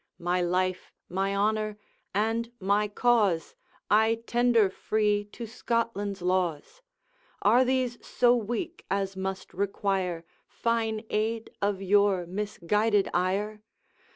My life, my honour, and my cause, I tender free to Scotland's laws. Are these so weak as must require 'Fine aid of your misguided ire?